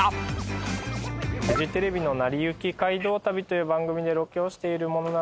フジテレビの『なりゆき街道旅』という番組でロケをしている者なんですけれども。